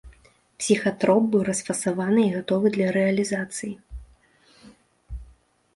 Псіхатроп быў расфасаваны і гатовы для рэалізацыі.